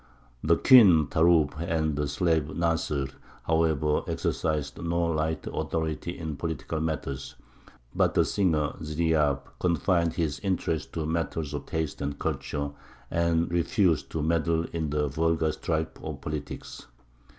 The Queen Tarūb and the slave Nasr, however, exercised no light authority in political matters; but the singer Ziryāb confined his interest to matters of taste and culture, and refused to meddle in the vulgar strife of politics.